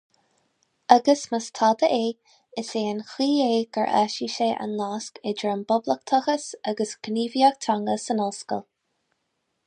Agus más tada é, is é an chaoi é gur áisigh sé an nasc idir an bpoblachtachas agus gníomhaíocht teanga san ollscoil.